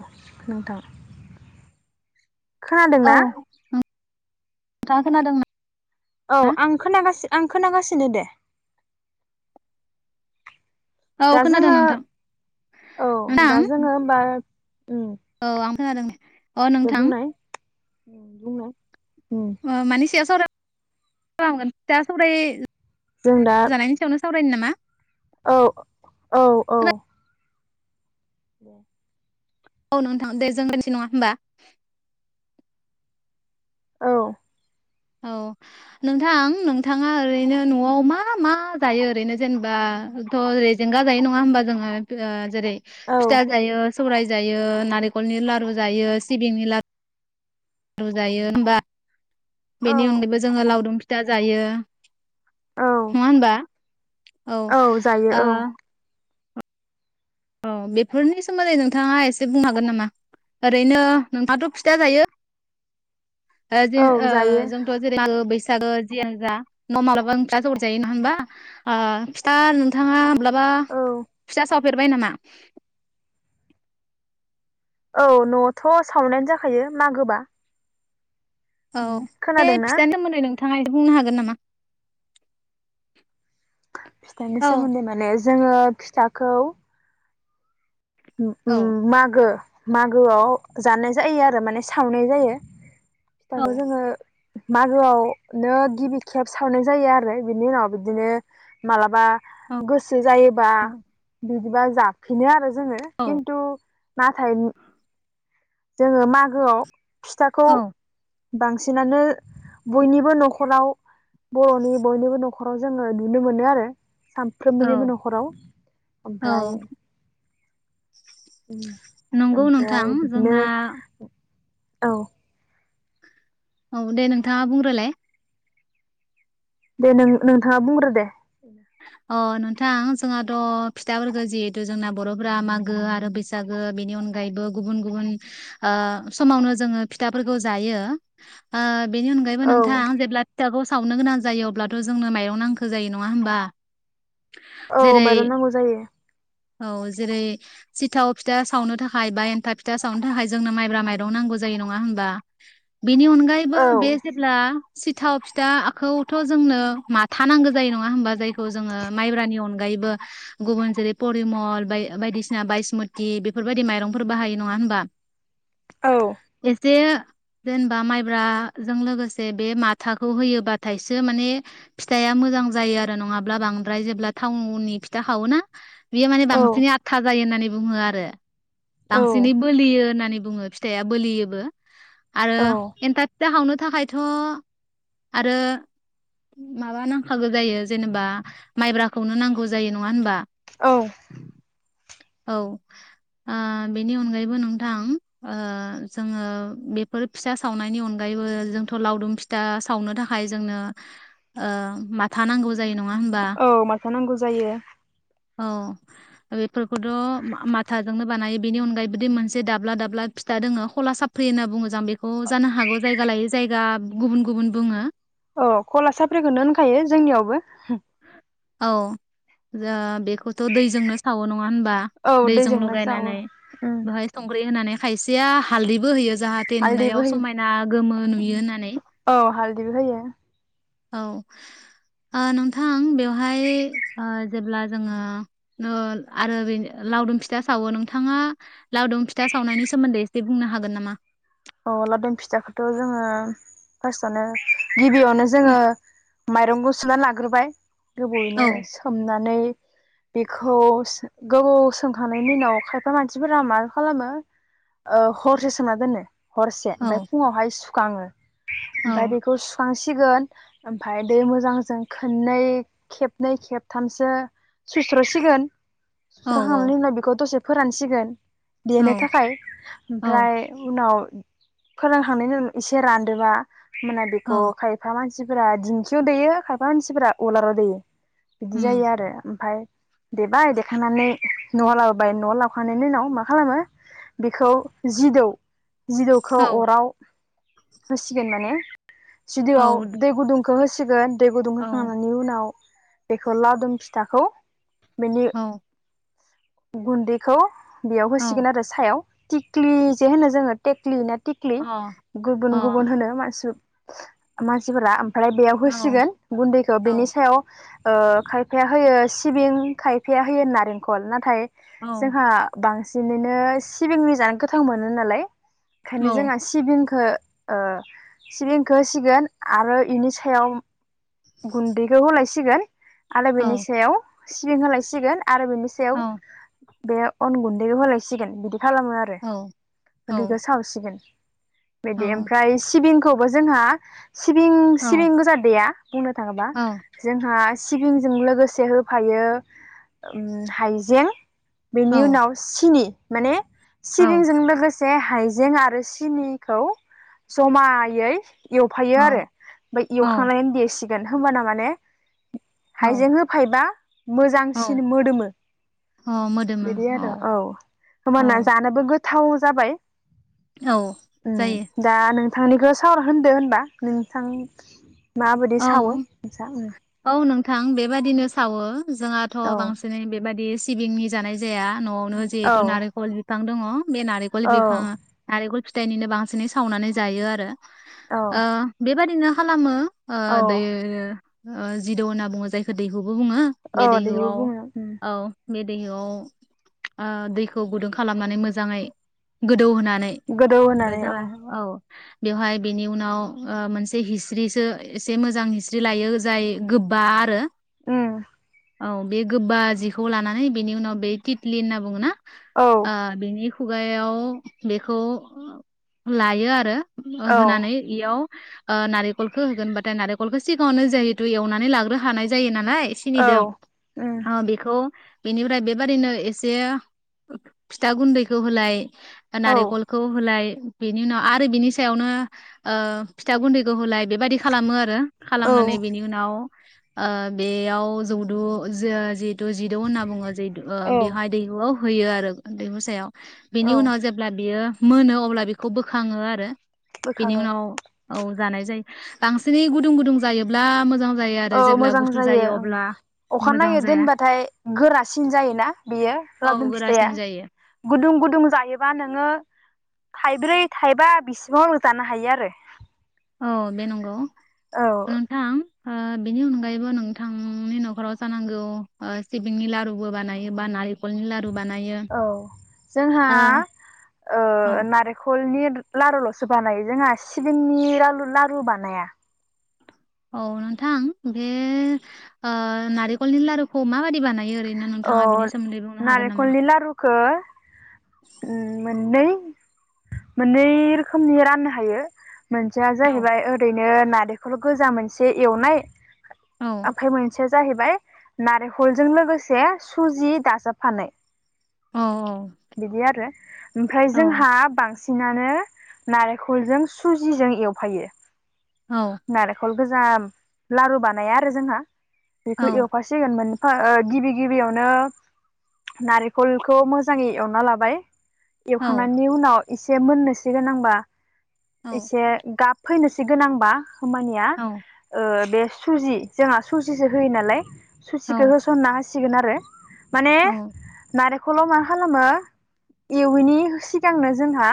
अ नोंथां । खोनादोंना? था खोनादों औ ना? आं खोनागासि आं खोनागासि होनो दे । औ दा खोनादों जोङो नोंथां औ नोंथां दा जोङो होमबा उम औ आ खोनादों अ दे नोंथां । बुंनाय बुंनाय। उम ओ मानिसायाव साव [unintelligible] जों दा सावरायनो नामा? औ औ औ । दे ‌। औ नोंथां दे जों होनसै नङा होमबा। औ। औ नोंथां नोंथाङा ओरैनो न'आव मा मा जायो ओरैनो जेनेबाथ' रेजेंगा जायो नङा होमबा जोङो [unintelligible] जेरै औ फिथा जायो। सौराय जायो नारेकलनि लारु जायो सिबिंनि लारु जायो होमबा। औ बेनि अनगायैबो जोङो लावदुम फि था जायो। औ नङा होनबा। औ जायो ओ औ औ बेफोरनि सोमोन्दै नोंथाङा एसे बुंनो हागोन नामा ओरैनो नोंथाङाथ' फिथा जायो। ओ जों औ ओ जायो जोंथ' जेरैबो बैस सागो जियानो जा न' माब्लाबा नोंसा जरन जायो नङा होनबा ओ फिथा नोंथाङा माब्लाबा औ फिथा सावफेरबाय नामा। औ न'आवथ' सावनायानो जाखायो मागोबा। औ उम बे खोनादोंना? फिथानि सोमोन्दै नों थाङा एसे बुंनो हागोन नामा। फिथायनि औ सोमोन्दै माने जोङो फिथाखौ उम औ उम मागो। मागोआव जानाय जायो आरो माने सावनाय जायो। फिथाखौ जोङो। मागोआवनो गिबि खेब सावनाय जायो आरो बिनि उनाव बिदिनो मालाबा गोस जायोबा बिब बिदिबा जाफिनो आरो जोंङो किनतु। नाथाय मु जोङो मागोआव फिथाखौ। औ बांसिनानो बयनिबो न'खराव बर'नि बयनिबो न'खराव जोङो नुनो मोनो आरो। सामफ्रोमबोनिबो न'खराव औ ओमफ्राय। ओम नंगौ नोंथां ओमफ्राय बिदिनो। जोंना औ। औ दे नोंथाङा बुंग्रोलाय। दे नों नोंथाङा बुंग्रो दे। अ नोंथां जोंहाथ' फिथाफोरखौ जिहेतु जोंना बर'फोरा मागो आरो बैसागो बेनि अनगायैबो गुबुन गुबुन ओ समावनो जोङो फिथाफोरखौ जायो ओ। बेनि अनगैबो औ नोंथाङांं जेब्लाबो सावनो गोनां जायो अब्लाथ' जोंनो माइरं नांगौ जायो नङा होमबा औ जेरै माइरं नांगौ जायो‌ औ जेरै सिथाव फिथा सावनो थाखाय बा एन्थाब फिथा सावनो थाखाय जोंनो माइब्रा माइरं नांगौ जायो नङा होमबा? बेनि अनगायैबो बे औ जेब्ला। सिथाव फिथाखौथ' जोंनो माथा नांगौ जायो नङा होमबा। खौ जोङो माइब्रानि अनगायैबो गुबुन जेरै परिमल बायदिसिना बायासमति बेफोरबायदि माइरंफोर बाहायो नङा होनबा। औ [inaudible] जे जेनेबा माइब्राजों लोगोसे बे माथाखौ होयोबाथायसो माने फिथाइया मोजां जायो आरो नङाबा। बांद्राय जेब्ला थाउननि फिथा सावोना। बेयो माने औ बांसिन आथा जायो होननानै। बुङो आरो। औ बांसिनै बोलियो होननानै। बुङो फिथाइआ बोलियोबो। आरो औ एन्थाब फिथा सावनो। थाखायथ' आरो माबा नांखागौ जायो जेनेबा। माइब्राखौनो नांगौ जायो नङा होनबा। औ। औ ओ बेनि अनगायैबो नोंथां ओ जोङो बेफोर फिथा सावनायनि अनगायैबो जोंथ' लावदुम फिथा सावनो थाखाय जोंनो ओ माथा नांगौ जायो नङा। होनबा औ माथो नांगौ जायो। औ बेफोरखौथ' माथाजोंनो बानायो बेनि अनगायै बिदि मोनसे दाब्ला दाब्ला फिथा दोङो हला साफ्रि होनना बुङो जों बेखौ जानो हागौ जायगा लायोै जायगा गुबुन गुबुन बुङो। औ कला साफ्रिखौनो होनखायो जोंनियावबो। औ जों बे। थ' दैजोंनो सावो नङा होनबा औ दैजों दैजोंनो जावो लगायनानै उम बेहाय संख्रि होनानै खायसेया हालदैबो होयो। जाहाथे हालदैबो नुनायाव होयो समायना गोमो नुयो होननानै। दैबो होयो। औ ओ नोंथां बेवहाय ओ जेब्ला जोङो [unintelligible] आरो ओरैनो बे लावदुम फिथा सावो नोंथाङा लावदुम फिथा सावनायनि सोमोन्दै एसे बुंनो हागोन नामा? अ लावदुम फिथाखौथ' जोङो फार्स्टआवनो गिबियावनो जोङो माइरंखौ सुना लाग्रोबाय। औ गोबावयैनो सोमनानै बेखौ सो गोबाव सोंखांनायनि उनाव खायफा मानसिफोरा मा खालामो ओ हरसे सोमना दोनो। हरसे औ ओमफाय फुङावहाय खाङो औ ओमफाय बेखौ सुखांसि सिगोन ओमफाय दै मोजांजों खोननै खेबनै खेबथामसो सुइस्र'सिगोन । औ सुस्र'खांनानि उनाव बिखौ दसे फोरानसिगोन। औ देनो थाखाय औ ओमफ्राय उनाव फोरांखांनायनि उनाव एसे रानदोबा मोना औ बिखौ खायफा मानसि सिफोरा दिंखियाव दैयो खायफा मानसिफोरा उलाराव देयो। बिदि उम जायो आरो ओमफाय देबाय देखांनानै न'आव लाबोबाय। न'आव लाबोखांनायनि उनाव मा खालामो? बेखौ जिदौ जिदौखौ औ अराव होसिगोन माने जिदौआव औ दै गुदुं खौ होसिगोन। दै गुदुं होखांनायनि उनाव बेखौ लावदुम फिथाखौ बिनि औ गुन्दैखौ बेयाव औ होसिगोन आरो सायाव तिक्लि जे होनो जोङो टेटलि ना तिकलि अ गुबुन गुबुन अ होनो मानसि मानसिफोरा आरो बेयाव औ होसिगोन गुन्दैखौ बेनि औ सायाव ओ खायफाया होयो सिबिं खायफाया होयो नारेंखल नाथाय औ जोंहा बां सिनिनो सिबिंनि जानो गोथाव मोनो नालाय औ ओखायनो जोंहा सिबिंखो ओ सिबिंखो होसिगोन आरो इनि सायाव गुन्दैखौ होलायसिगोन आलो औ बेनि सायाव सिबिं होलायसिगोन आरो बिनि औ सायाव बे अन गुन्दैखौ होलायसिगोन बिदि खालामो आरो औ बिखो सावसिगोन। बिदि औ ओमफ्राय सिबिं खौबो जोंहा सिबिं औ सिबिं गोजा देया। बुंनो थाङोबा औ जोंहा सिबिंजों लोगोसे होफायो उम हाइजें बेनि औ उनाव सिनि माने औ सिबिंजों लोगोसे हाइजें आरो सिनिखौ जमायै एवफायो आरो औ ओमफ्राय औ एवखांनायनि देसि गोन होनोमबाना माने हाइजें औ होफायोबा औ मोजांसिन मोदोमो औ मोदोमो बिदि आरो औ औ होमबाना जानोबो गो थाव जाबाय। उम जायो दा नों। थांनिखौ सावरा होनदो होनबा नोंथां मा सावो नोंसा उम थां बेबायदिनो सावो। जोंहाथ' औ बांसिनै बेबादि सिबिंनि जानाय जाया न'आव औ जेहेतु नारेलखल बि बिबां दंङ बे नारेंखल औ बिफांङा नारेंखल फिथाइनिनो बांसिनै सावनानै जायो आरो औ ओ बेबायदिनो खालामो औ ओ [unintelligible] ओ जिदौ होनना बुंङो जायखौ दैहु बो बुङो औ बे बेखौ दैहुआव बुङो उम औ बे दैआव दैखौ गुदुं खालामनानै मोजाङै गोदौ होना गोदौ ओमफ्राय होनानै औ जाहा औ बेवहाय बेनि उनाव मोनसे हिस्रिसो एसे मोजां हिस्रि लायो जाय गोबा आरो उम। औ बे गोबबा जिखौ लानानै बेनि उनाव बे तिथलि होनना बुङो ना। औ आ बिनिख खुगायाव बेखौ लायो आरो‌। ओ औ होनानै इयाव। ओ नारिखलखौ होगोन बाथ थो नारिखलखौ सिगाङावनो जिहेतु एवनानै लाग्रो हानाय जायो नान लाय औ सिनिदों उम ओ बेखौ। बिनिफ्राय बेबादिनो एसे फिथा गुन्दैखौ होलाय। औ नारिखलखौ होलाय। बेनि उनाव आरो बिनि सायावनो ओ फिथा गुन्दैखौ होलाय बेब खालामो आरो औ खालामनानै बेनि उनाव। ओ बेयाव जौदु जो-जि दु जिदौ होनना बुङो जेद औ बेहाय दैहुआव। होयो आरो उन्दै मोसायाव। बेनि औ उनाव जेब्ला बियो। मोनो अब्ला बेखौ बोखाङो आरो। बेनि बोखाङो उनाव औ। जानाय जायो। बांसिनै गुदुं गुदुं जायोब्ला मोजां ज औ मोजां जायो ओं अखा मोजां नायै जाया दोनबाथाय गोरासिन जायोना बेयो औ लावदुम फिथाइया गोरासिन जायो गुदुं गुदुं जायोबा नोङो थाइब्रै थाइबा बिस [unintelligible] जानो हायो आरो। औ बे नोंगौ औ नोंथां। ओ बिनि अनगायैबो नोंथांनि न'खराव जानांगौ ओ सिबिंनि लारुबो बानायो बा नालिख औ जोंहा ओ ओ औ नारेंखलनि लारुल'सो बानायो जोंहा सिबिंनि रालु लारु बानाया। औ नोंथां बे ओ नारिखलनि लारुखौ माबादि बानायो ओरै औ नारिखलनि लारुखो उम मोद ननै मोननै रोखोमनि राननो हायो। मोनसेया औ जाहैबाय ओरैन नो नारिखल' गोजा मोनसे एवनाय। औ आ फाय मोन से जाहैबाय नारेखलजों लोगोस से सुजि दाजाबफानाय। औ औ। बिदि आरो ओमफ्राय जोंहा बांसिन सिनानो नारेंखलजों सुजिजों एवफायो। औ नारेखल गोजाम लारु बानाया आरो जोंहा। बेखौ औ एवफासिगोनमोन ओ ओ गिबि गिबियावनो नारेंखलखौ मोजाङै एवना लाबाय। औ एवखांनानै उनाव इसे मोननोसिगोनांबा औ इसे गाब फैनोसिगोनांबा खामानिया औ ओ बे सुजि जोंहा सुजिसो होयो नालाय सुसिखो होसनना होस सिगोन आरो माने औ नारेख खल' मा खालामो? एवैनि सिगांनो जोंहा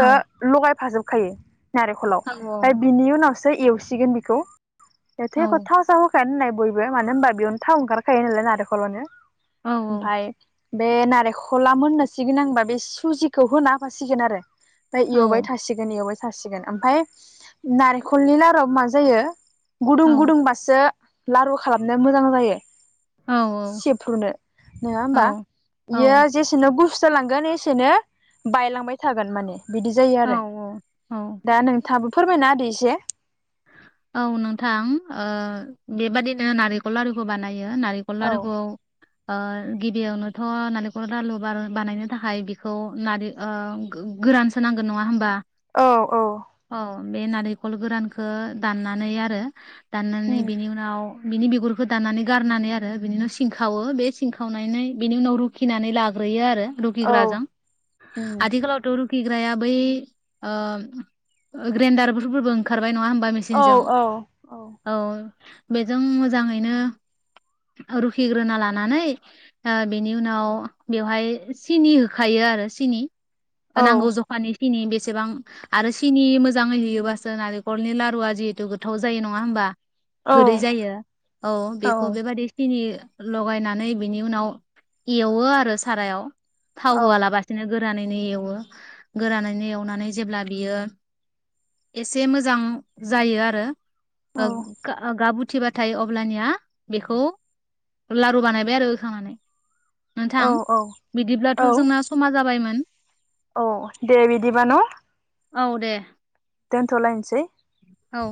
औ लगायफाजोब खायो। नारेखलाव ओमफ्राय बिनि उनावस सो एवसिगोन बिखौ। औ एथाय खथा साब [unintelligible] होननाय बयबो मानो होनबा बेयावनो थाव ओंखार खायो नालाय नारेखलावनो। औ औ बे नारेखला मोननोसि गोनांबा बे सुजिखौ होना होफासिगोन आरो। ओमफाय इयावबाय थासिगोन इयावबाय थासिगोन ओमफाय नारेखलनि लारुआ मा जायो? गुदुं औ गुदुंबासो लारु खालामनो मोजां जायो। सेफ्रुनो नोङा होमबा इयो जेसेनो गुुस सोलांगोन एसेनो बायलांबाय थागोन माने। बिदि जायो औ आरो औ औ दा नोंथाबो फोरमायना होदो एसे औ नोंथां ओ बेबादिनो नारेंखर लारुखौ बानाय यो नारेंखल औ लारु खौ ओ गिबियावनोथ नारेंखल लालु बाल बानायनो थाखाय बेखौ नारि ओ गोरानसो नांगोन नङा होमबा? औ औ औ बे नारेंखल गोरानखो दाननानै आरो दाननानै उम बेनि उनाव बिनि बिगुरखौ दानानै गारनानै आरो बिनि उनाव सिं खावो बे सिं खावनानै बिनि उनाव रुखिनानै लाग्रोयो आरो रुखि औ ग्राजों उम आथिखालाव थ रू खिग्राया बै ओ ग्रेन्दारफोरबो ओंखारबाय नङा होनबा? औ औ औ बेजों मोजाङैनो रुखिग्रोना लानानै ओ बेनि उनाव बेवहाय सिनि होखायो आरो सिनि औ नांगौ जखानि सिनि बेसेबां आरो सिनि मोजाङै होयोबासो नारेंखलनि लारूआ जिहेथु गोथाव जायो नङा होमबा? औ गोदै जायो औ बेखौ बेबादि सिनि लगायनानै बिनि उनाव एवो आरो सारायाव थाव औ होआ लाबसिनो गो रानैनो एवो गोरानैनो एवनानै जेब्ला बियो एसे मोजां जायो आरो ओ गा-गाबुद फुरथिबाथाय अब्लानिया बेखौ लारु बानायबाय आरो होखांनानै औ नोंथां औ बिदिब्लाथ' औ जोंना समा जाबायमोन औ दे बिदिबा न औ दे दोनथ लाइन्सै औ